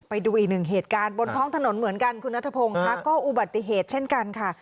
ไปดูอีกหนึ่งเหตุการณ์บนท้องถนนเหมือนกันคุณนัทพงศ์ค่ะก็อุบัติเหตุเช่นกันค่ะ